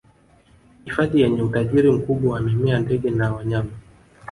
hifadhi yenye utajiri mkubwa wa mimea ndege na wanyama